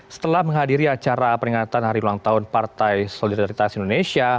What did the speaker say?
setelah menghadiri acara peringatan hari ulang tahun partai solidaritas indonesia